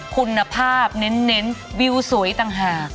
คุณภาพเน้นวิวสวยต่างหาก